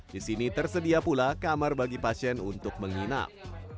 di sini tersedia pula kamar bagi pasien untuk menginap